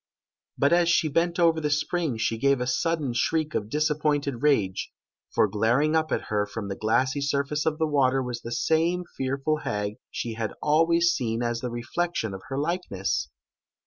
" But as she bent over the spring, she gave a sudden shriek of disappointed rage; for glaring up at her from the glassy surface of the water was the same fearful hag she had always seen as the reflection of her likeness!